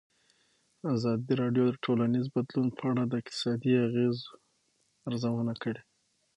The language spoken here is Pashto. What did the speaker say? ازادي راډیو د ټولنیز بدلون په اړه د اقتصادي اغېزو ارزونه کړې.